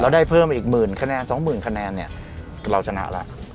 ได้เพิ่มอีกหมื่นคะแนน๒๐๐๐คะแนนเนี่ยเราชนะแล้ว